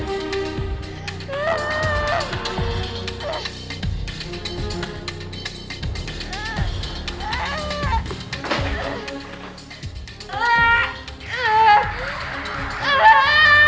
jika kau mengacau